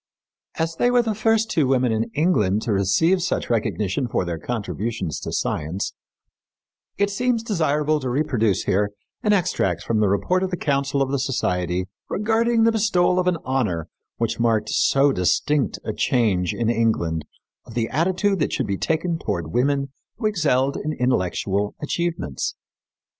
As they were the first two women in England to receive such recognition for their contributions to science, it seems desirable to reproduce here an extract from the report of the council of the society regarding the bestowal of an honor which marked so distinct a change in England of the attitude that should be taken toward women who excelled in intellectual achievements.